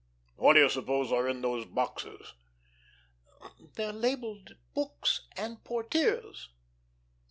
What do you suppose are in these boxes?" "They're labelled 'books and portieres.'"